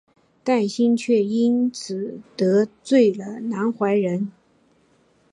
戴梓却因此得罪了南怀仁。